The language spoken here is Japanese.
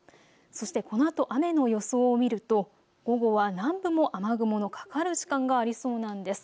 そしてこのあと雨の予想を見ると午後は南部も雨雲のかかる時間がありそうなんです。